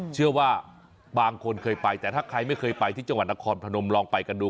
เชื่อว่าบางคนเคยไปแต่ถ้าใครไม่เคยไปที่จังหวัดนครพนมลองไปกันดู